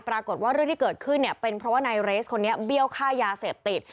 ปรากฏว่าเรื่องที่เกิดขึ้นเนี่ยเป็นเพราะว่านายเรสคนนี้เบี้ยวค่ายาเสพติด